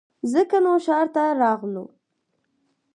ځکه نو ښار ته راغلو